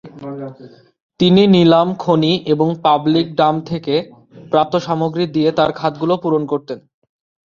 তিনি নিলাম, খনি এবং পাবলিক ডাম্প থেকে প্রাপ্ত সামগ্রী দিয়ে তার খাদগুলো পূরণ করতেন।